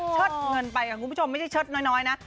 เชิดเงินไปค่ะคุณผู้ชมไม่ใช่เชิดน้อยนะ